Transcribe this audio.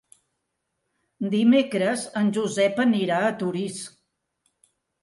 Dimecres en Josep anirà a Torís.